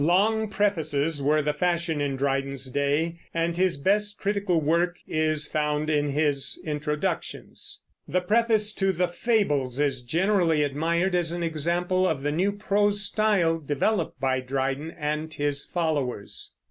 Long prefaces were the fashion in Dryden's day, and his best critical work is found in his introductions. The preface to the Fables is generally admired as an example of the new prose style developed by Dryden and his followers.